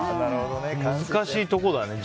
難しいところだね。